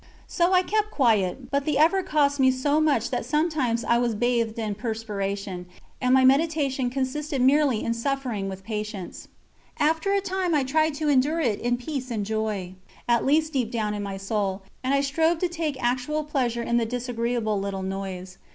So I kept quiet, but the effort cost me so much that sometimes I was bathed in perspiration, and my meditation consisted merely in suffering with patience. After a time I tried to endure it in peace and joy, at least deep down in my soul, and I strove to take actual pleasure in the disagreeable little noise.